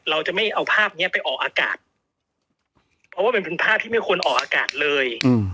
เราจะไม่เอาภาพนี้ไปออกอากาศเพราะว่ามันเป็นภาพที่ไม่ควรออกอากาศเลย